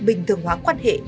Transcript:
bình thường hóa quan hệ